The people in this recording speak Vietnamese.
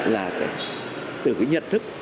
là từ cái nhận thức